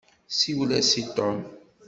Siwel-as i Tom.